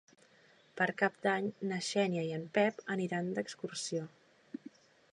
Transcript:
Per Cap d'Any na Xènia i en Pep aniran d'excursió.